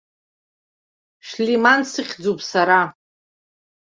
Шәлиман сыхьӡуп сара.